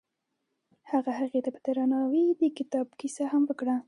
هغه هغې ته په درناوي د کتاب کیسه هم وکړه.